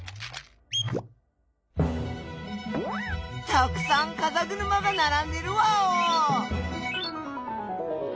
たくさんかざぐるまがならんでるワオー！